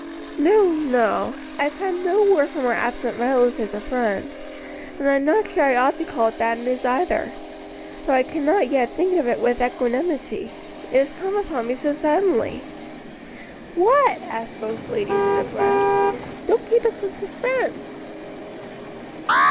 "No, no; I've had no word from our absent relatives or friends, and I'm not sure I ought to call it bad news either; though I cannot yet think of it with equanimity, it has come upon me so suddenly." "What?" asked both ladies in a breath; "don't keep us in suspense."